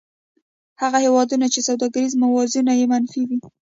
هغه هېوادونه چې سوداګریزه موازنه یې منفي وي